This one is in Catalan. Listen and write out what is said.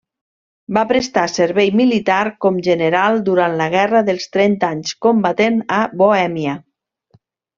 Va prestar servei militar com general durant la Guerra dels Trenta Anys, combatent a Bohèmia.